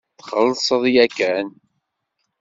Txellṣeḍ yakan.